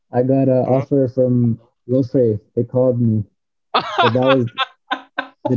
saya mendapatkan tawaran dari lose mereka menyebut saya